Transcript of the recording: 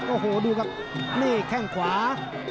โอ้โหดูกับแข้งขวา